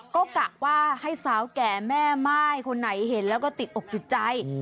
กระกว่าสาวแก่แม่ก็ให้แม่ม่ายลูกไหนเห็นแล้วติดอกจาโกรธใจ